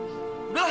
astaga tak boleh